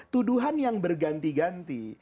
tuduhan yang berganti ganti